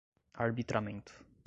arbitramento